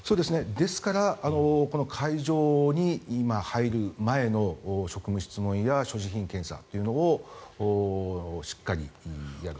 ですからこの会場に入る前の職務質問や所持品検査というのをしっかりやると。